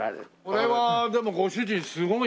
これはでもご主人すごいね。